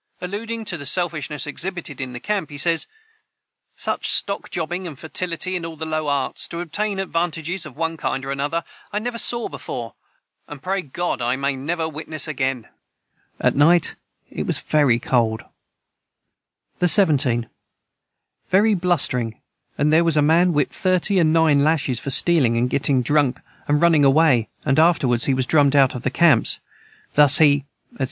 Alluding to the selfishness exhibited in camp, he says: "Such stock jobbing and fertility in all low arts, to obtain advantages of one kind and another, I never saw before, and pray God I may never witness again."] the 17. Very blustering and their was a man Whipt thirty and nine Lashes for Stealing and getting Drunk and running away and afterwards he was drummed out of the camps thus he &c.